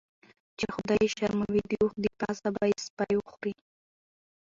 چی خدای یی شرموي داوښ دپاسه به یی سپی وخوري .